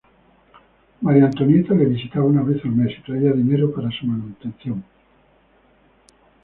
Maria Antonieta la visitaba una vez la mes y traía dinero para su manutención.